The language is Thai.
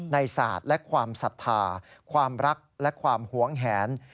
ศาสตร์และความศรัทธาความรักและความหวงแหน